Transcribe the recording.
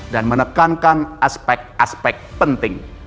dan menekankan aspek aspek penting